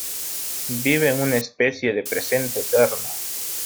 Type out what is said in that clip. Vive en una especie de presente eterno.